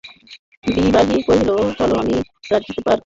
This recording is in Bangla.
বিহারী কহিল, চলো, আমি রাঁধিবার জোগাড় করিয়া দিই গে।